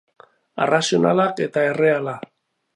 Arrazionalak eta erreala